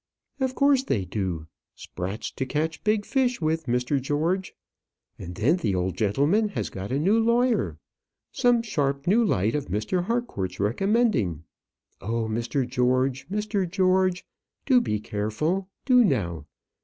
"Of course they do; sprats to catch big fish with, Mr. George. And then the old gentleman has got a new lawyer; some sharp new light of Mr. Harcourt's recommending. Oh, Mr. George, Mr. George! do be careful, do now!